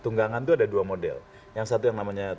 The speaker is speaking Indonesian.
tunggangan itu ada dua model yang satu yang namanya